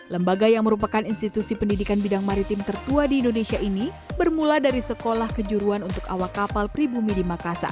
lembaga yang merupakan institusi pendidikan bidang maritim tertua di indonesia ini bermula dari sekolah kejuruan untuk awak kapal pribumi di makassar